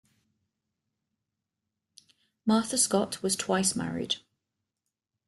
Martha Scott was twice-married.